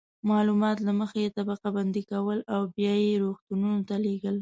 معلومات له مخې یې طبقه بندي کول او بیا یې روغتونونو ته لیږل.